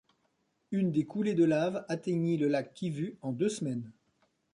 Une des coulées de lave atteignit le lac Kivu en deux semaines.